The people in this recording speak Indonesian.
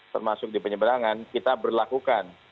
termasuk di penyeberangan kita berlakukan